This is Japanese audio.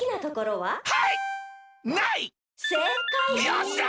よっしゃ！